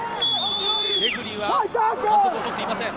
レフェリーは反則を取っていません。